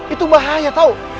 itu bahaya tau